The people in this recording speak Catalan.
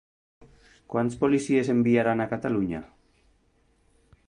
Quants policies enviaran a Catalunya?